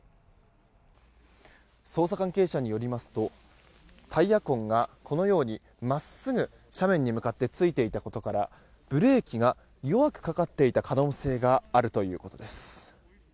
捜査関係者によりますとタイヤ痕が、このように真っすぐ斜面に向かってついていたことからブレーキが弱くかかっていた可能性があるということです。